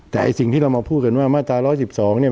แต่ไอ้สิ่งที่เรามาพูดกันว่ามาตรา๑๑๒เนี่ย